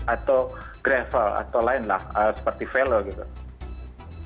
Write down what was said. atau gravel atau lainlah seperti velo gitu